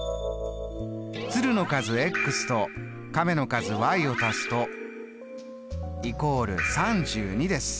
鶴の数と亀の数を足すと＝３２です。